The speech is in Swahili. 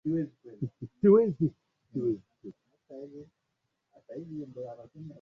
kila siku zote ndani yake chini yake